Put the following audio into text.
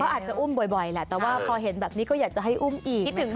อาจจะอุ้มบ่อยแหละแต่ว่าพอเห็นแบบนี้ก็อยากจะให้อุ้มอีก